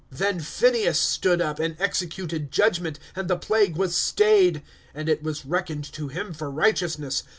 ^^ Then Phineas stood up, and executed judgment, And the plague was stayed. ^^ And it was reckoned to him for righteousness.